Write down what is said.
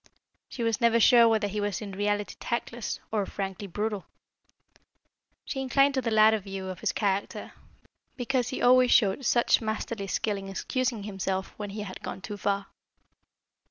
She was never sure whether he was in reality tactless, or frankly brutal. She inclined to the latter view of his character, because he always showed such masterly skill in excusing himself when he had gone too far.